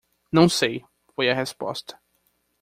"Não sei?" foi a resposta.